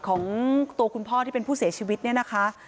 ของตัวคุณพ่อที่เป็นผู้เสียชีวิตเนี่ยนะคะ